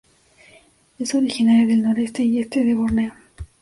Es originaria del noreste y este de Borneo.